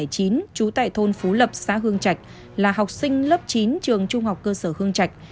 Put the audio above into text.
trú tại thôn phú lập xã hương trạch là học sinh lớp chín trường trung học cơ sở hương trạch